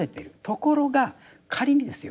ところが仮にですよ